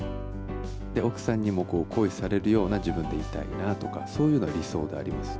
で、奥さんにも恋されるような自分でいたいなとか、そういうのが理想であります。